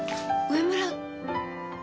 上村。